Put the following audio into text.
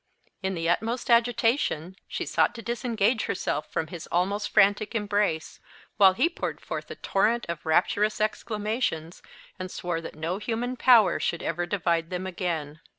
In the utmost agitation, she sought to disengage herself from his almost frantic embrace; while he poured forth a torrent of rapturous exclamations, and swore that no human power should ever divide them again.